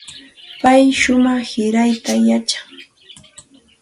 Paymi shumaq sirayta yachan.